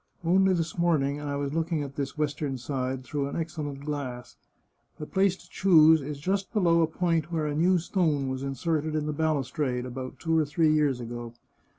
Only this morning I was look ing at this western side, through an excellent glass. The place to choose is just below a point where a new stone was inserted in the balustrade, about two or three years ago.